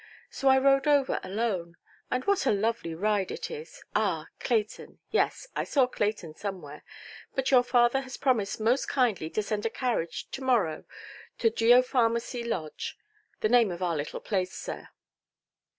So I rode over alone; and what a lovely ride it is! Ah, Clayton—yes, I saw Clayton somewhere. But your father has promised most kindly to send a carriage to–morrow to Geopharmacy Lodge—the name of our little place, sir".